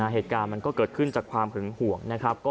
เหตุการณ์มันก็เกิดขึ้นจากความหึงห่วงนะครับ